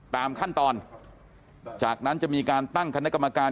ตามขั้นตอนจากนั้นจะมีการตั้งคณะกรรมการ